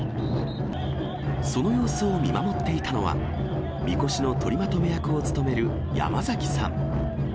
その様子を見守っていたのは、みこしの取りまとめ役を務める山崎さん。